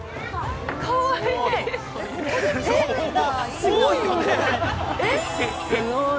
かわいい。